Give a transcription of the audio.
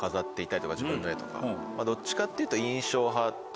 どっちかっていうと。